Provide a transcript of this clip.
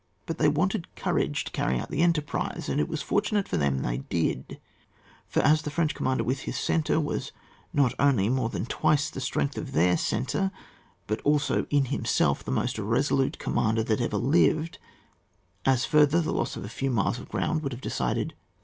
But they wanted courage to carry out the enter prise; and it was fortunate for them they did ; for as the French commander with his centre was not only more than twice the strength of their centre, but also in himself the most resolute commander that ever lived, as further, the loss of a few miles of ground would have decided cnAP.